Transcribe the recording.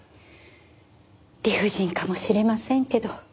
理不尽かもしれませんけど。